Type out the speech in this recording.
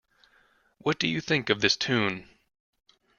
What do you think of this Tune?